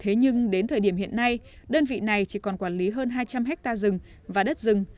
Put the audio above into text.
thế nhưng đến thời điểm hiện nay đơn vị này chỉ còn quản lý hơn hai trăm linh hectare rừng và đất rừng